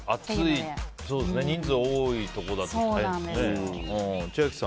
人数が多いところだと大変ですね。